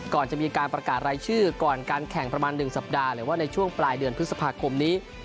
ก่อนจะมีการประกาศรายชื่อก่อนการแข่งประมาณ๑สัปดาห์หรือว่าในช่วงปลายเดือนพฤษภาคมนี้